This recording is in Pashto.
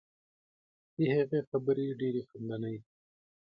د هغې خبرې ډیرې خندنۍ دي.